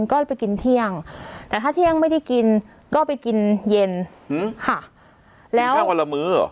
ก็ไปกินเที่ยงแต่ถ้าเที่ยงไม่ได้กินก็ไปกินเย็นค่ะแล้วถ้าวันละมื้อเหรอ